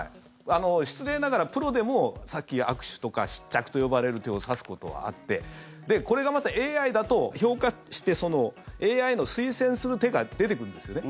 失礼ながら、プロでもさっき悪手とか失着と呼ばれる手を指すことはあってこれがまたＡＩだと評価ＡＩの推薦する手が出てくるんですよね。